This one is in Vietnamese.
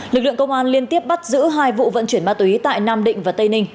lực lượng công an liên tiếp bắt giữ hai vụ vận chuyển ma túy tại nam định và tây ninh